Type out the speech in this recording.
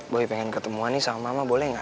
boy pengen ketemu sama mama boleh nggak